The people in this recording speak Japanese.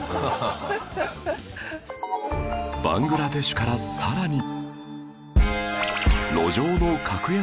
バングラデシュからさらに